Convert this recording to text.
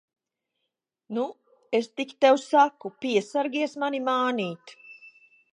Nu, es tik tev saku, piesargies mani mānīt!